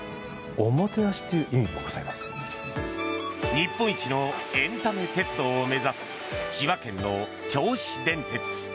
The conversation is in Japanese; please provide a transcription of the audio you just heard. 日本一のエンタメ鉄道を目指す千葉県の銚子電鉄。